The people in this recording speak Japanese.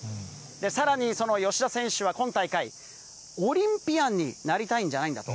さらにその吉田選手は、今大会、オリンピアンになりたいんじゃないんだと。